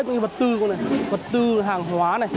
chúng ta tuyệt đối không nên sắp xếp vật tư hàng hóa